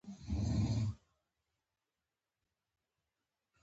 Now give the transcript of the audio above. خو د بندونو جوړول ستونزې هم لري.